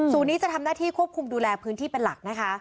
นี้จะทำหน้าที่ควบคุมดูแลพื้นที่เป็นหลักนะคะ